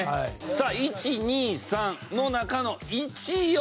さあ１２３の中の。